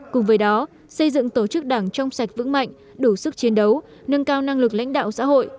cùng với đó xây dựng tổ chức đảng trong sạch vững mạnh đủ sức chiến đấu nâng cao năng lực lãnh đạo xã hội